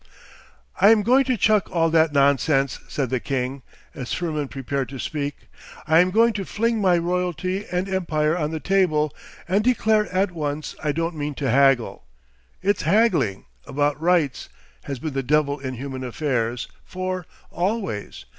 'I am going to chuck all that nonsense,' said the king, as Firmin prepared to speak. 'I am going to fling my royalty and empire on the table—and declare at once I don't mean to haggle. It's haggling—about rights—has been the devil in human affairs, for—always.